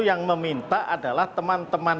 yang meminta adalah teman teman